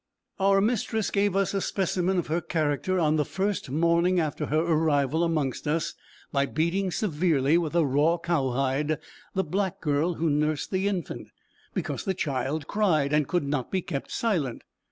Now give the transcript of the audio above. Our mistress gave us a specimen of her character on the first morning after her arrival amongst us, by beating severely, with a raw cow hide, the black girl who nursed the infant, because the child cried, and could not be kept silent.